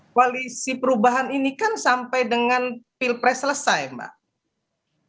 koalisi perubahan ini kan sampai dengan pilpres selesai mbak